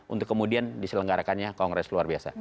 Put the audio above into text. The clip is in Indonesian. untuk kemudian diselenggarakannya kongres luar biasa